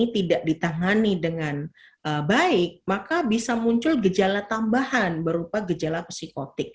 tidak ditangani dengan baik maka bisa muncul gejala tambahan berupa gejala psikotik